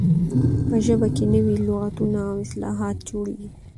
په ژبه کښي نوي لغاتونه او اصطلاحات جوړیږي.